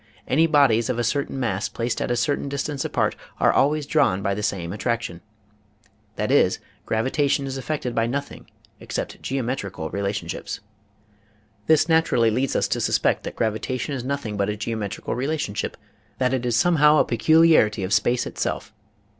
Any bodies of a certain mass placed at a certain distance apart are always drawn by the same attraction. That is, gravitation is affected by nothing except geometrical relationships. 92 EASY LESSONS IN EINSTEIN This naturally leads us to suspect that gravitation is nothing but a geometrical relationship, that it is somehow a peculiarity of space itself.